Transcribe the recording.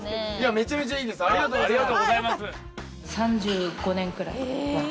めちゃめちゃいいですありがとうございます。